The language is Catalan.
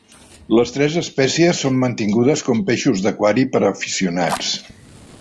Les tres espècies són mantingudes com peixos d'aquari per aficionats.